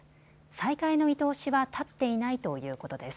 再開の見通しは立っていないということです。